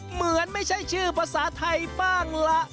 เหมือนไม่ใช่ชื่อภาษาไทยบ้างล่ะ